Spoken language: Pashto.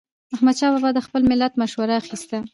احمدشاه بابا به د خپل ملت مشوره اخیسته.